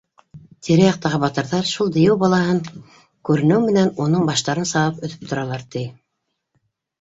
Тирә-яҡтағы батырҙар, шул дейеү балаһы күренеү менән, уның баштарын сабып өҙөп торалар, ти